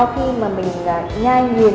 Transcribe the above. khi mà mình nhai nghiền